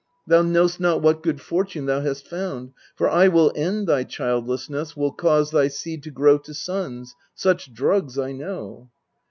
Thou know'st not what good fortune thou hast found : For I will end thy childlessness, will cause Thy seed to grow to sons; such drugs I know.